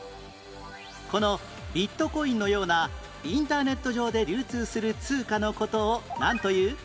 このビットコインのようなインターネット上で流通する通貨の事をなんという？